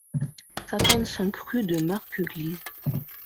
cinquante-cinq rue de Marqueglise